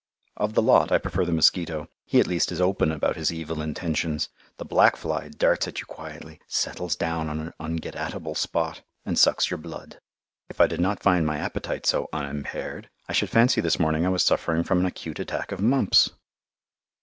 Of the lot I prefer the mosquito. He at least is open about his evil intentions. The black fly darts at you quietly, settles down on an un get at able spot, and sucks your blood. If I did not find my appetite so unimpaired, I should fancy this morning I was suffering from an acute attack of mumps.